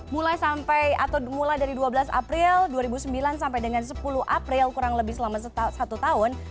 mulai sampai atau mulai dari dua belas april dua ribu sembilan sampai dengan sepuluh april kurang lebih selama satu tahun